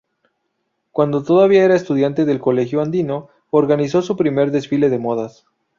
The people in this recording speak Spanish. Cuando todavía era estudiante del Colegio Andino, organizó su primer desfile de modas.